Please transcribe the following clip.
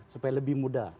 supaya lebih mudah